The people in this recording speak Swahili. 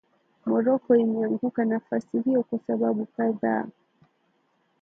Morocco imeanguka nafasi hiyo kwa sababu kadhaa